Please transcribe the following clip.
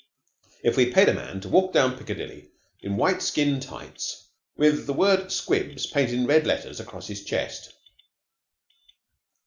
"if we paid a man to walk down Piccadilly in white skin tights with the word 'Squibs' painted in red letters across his chest?"